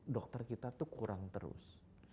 dokter kita tuh kurang terus